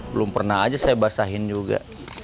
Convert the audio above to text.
belum pernah aja saya basahin juga